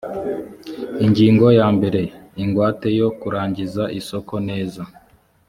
ingingo ya mbere ingwate yo kurangiza isoko neza